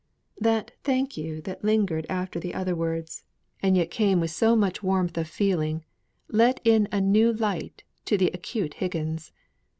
That "thank you" lingered after the other words, and yet came with so much warmth of feeling, let in a new light to the acute Higgins.